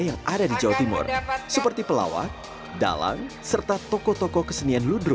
yang ada di jawa timur seperti pelawak dalang serta tokoh tokoh kesenian ludro